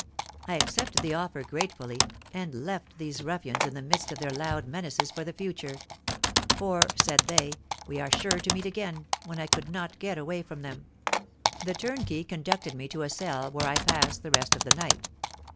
I accepted the offer gratefully, and left these ruffians in the midst of their loud menaces for the future; 'for,' said they, 'we are sure to meet again, when I could not get away from them.' The turnkey conducted me to a cell, where I passed the rest of the night.